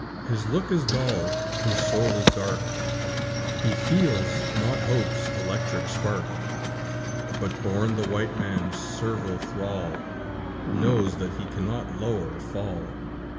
His look is dull, his soul is dark; He feels not hope's electric spark; But, born the white man's servile thrall, Knows that he cannot lower fall.